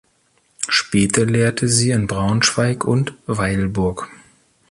Später lehrte sie in Braunschweig und Weilburg.